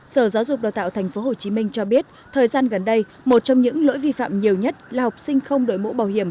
sở giáo dục đào tạo tp hcm cho biết thời gian gần đây một trong những lỗi vi phạm nhiều nhất là học sinh không đội mũ bảo hiểm